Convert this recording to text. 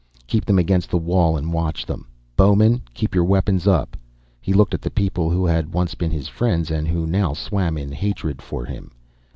"Keep them against the wall and watch them. Bowmen keep your weapons up." He looked at the people who had once been his friends and who now swam in hatred for him.